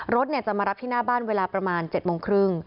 รถจะมารับที่หน้าบ้านเวลาประมาณ๗๓๐น